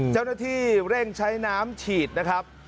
เจ้าหน้าที่เร่งใช้น้ำฉีดนะครับ